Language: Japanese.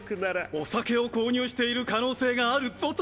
お酒を購入している可能性があるぞと！